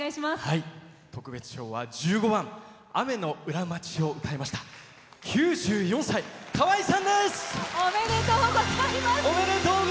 特別賞は１５番「雨の裏町」を歌いました９４歳、かわいさんです。